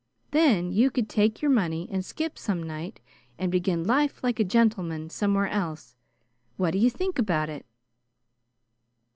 Then you could take your money and skip some night, and begin life like a gentleman somewhere else. What do you think about it?"